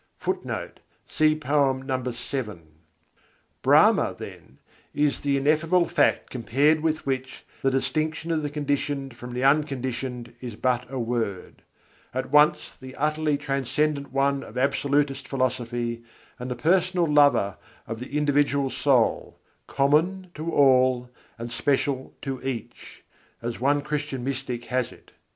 [Footnote: No. VII.] Brahma, then, is the Ineffable Fact compared with which "the distinction of the Conditioned from the Unconditioned is but a word": at once the utterly transcendent One of Absolutist philosophy, and the personal Lover of the individual soul "common to all and special to each," as one Christian mystic has it.